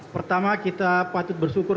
pertama kita patut bersyukur